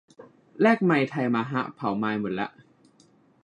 แลกไมล์ไทยมาฮะ เผาไมล์หมดละ